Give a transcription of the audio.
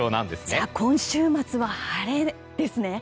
じゃあ、今週末は晴れですね！